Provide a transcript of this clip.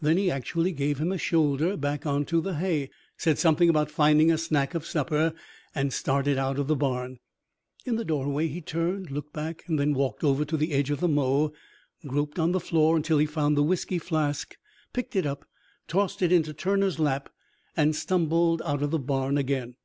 Then he actually gave him a shoulder back onto the hay, said something about finding a snack of supper, and started out of the barn. In the doorway he turned, looked back, then walked over to the edge of the mow and groped on the floor until he found the whisky flask, picked it up, tossed it into Turner's lap, and stumbled out of the barn again."